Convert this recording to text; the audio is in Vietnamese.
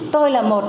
tôi là một